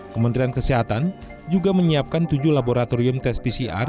kementerian kesehatan juga menyiapkan tujuh laboratorium tes pcr